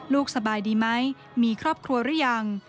สบายดีไหมมีครอบครัวหรือยัง